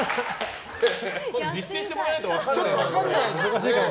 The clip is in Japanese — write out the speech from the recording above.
実践してもらわないと分かんない。